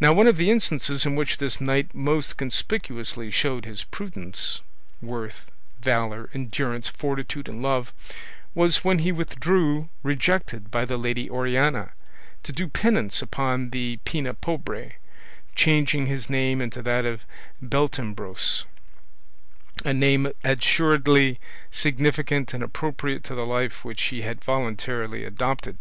Now one of the instances in which this knight most conspicuously showed his prudence, worth, valour, endurance, fortitude, and love, was when he withdrew, rejected by the Lady Oriana, to do penance upon the Pena Pobre, changing his name into that of Beltenebros, a name assuredly significant and appropriate to the life which he had voluntarily adopted.